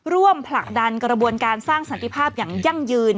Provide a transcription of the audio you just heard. ผลักดันกระบวนการสร้างสันติภาพอย่างยั่งยืน